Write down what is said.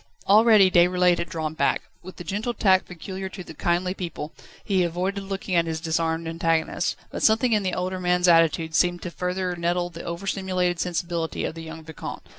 Already Déroulède had drawn back. With the gentle tact peculiar to kindly people, he avoided looking at his disarmed antagonist. But something in the older man's attitude seemed to further nettle the over stimulated sensibility of the young Vicomte.